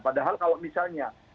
padahal kalau misalnya